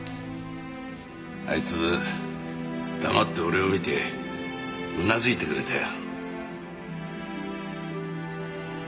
あいつ黙って俺を見てうなずいてくれたよ。